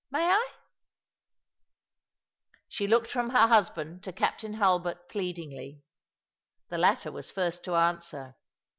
May I?" i She looked from her husband to Captain Hulbert pleadingly. The latter was first to answer.